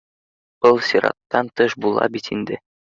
Был сираттан тыш була бит инде